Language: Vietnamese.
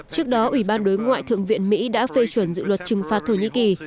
trước đó ủy ban đối ngoại thượng viện mỹ đã phê chuẩn dự luật trừng phạt thổ nhĩ kỳ